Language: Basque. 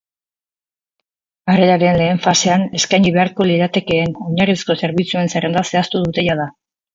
Harreraren lehen fasean eskaini beharko liratekeen oinarrizko zerbitzuen zerrenda zehaztu dute jada.